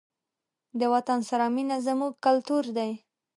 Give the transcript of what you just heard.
د وطن سره مینه زموږ کلتور دی.